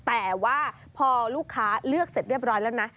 แต่ว่าพอลูกค้าเลือกเสร็จเรียบร้อยแล้วนะ